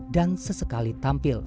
dan sesekali tampil